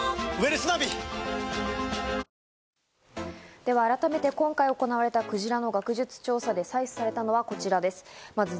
では改めて今回行われたクジラの学術調査で採取されたのはこちらです。